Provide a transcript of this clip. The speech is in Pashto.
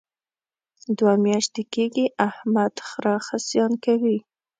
دوه میاشتې کېږي احمد خره خصیان کوي.